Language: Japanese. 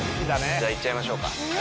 じゃあ行っちゃいましょうか。